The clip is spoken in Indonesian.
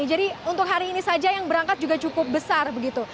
jadi untuk hari ini saja yang berangkat juga cukup besar